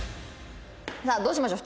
さあどうしましょう？